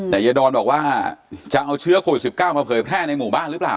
แต่ยายดอนบอกว่าจะเอาเชื้อโควิด๑๙มาเผยแพร่ในหมู่บ้านหรือเปล่า